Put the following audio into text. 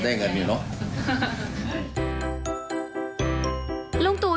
ชอบโมโหใส่คุณนิกเลยนะครับ